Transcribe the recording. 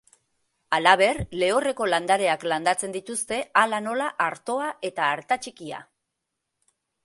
Halaber, lehorreko landareak landatzen dituzte, hala nola, artoa eta artatxikia.